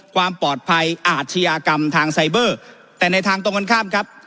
ความปลอดภัยอาชญากรรมทางไซเบอร์แต่ในทางตรงกันข้ามครับ